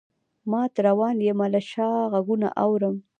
مات روان یمه له شا غــــــــږونه اورم